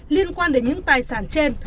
liên quan đến những tài sản trên